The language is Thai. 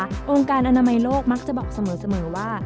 โรงการอนามันโรปมักจะบอกเสมอว่า